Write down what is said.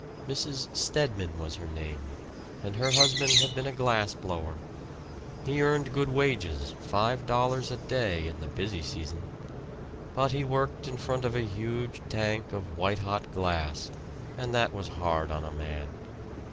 Mrs. Stedman was her name, and her husband had been a glass blower. He earned good wages five dollars a day in the busy season. But he worked in front of a huge tank of white hot glass and that was hard on a man.